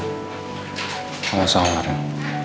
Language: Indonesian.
gak masalah ren